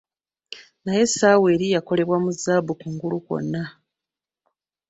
naye essaawa eri yakolebwa mu zzaabu kungulu kwonna.